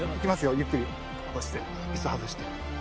ゆっくり起こして椅子外して。